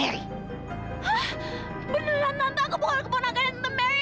beneran tante aku bohong keponakan tante mary